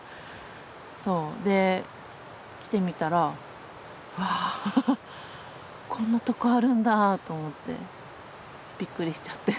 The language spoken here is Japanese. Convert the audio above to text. で来てみたらあこんなとこあるんだと思ってびっくりしちゃって。